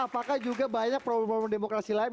apakah juga banyak problem problem demokrasi lain